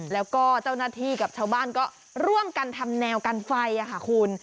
แล้วก็เจ้าหน้าที่กับชาวบ้านก็ร่วมกันทำแนวกันไฟค่ะคุณ